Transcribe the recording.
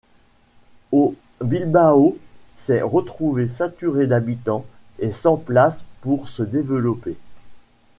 Au Bilbao s'est retrouvé saturé d'habitants et sans place pour se développer.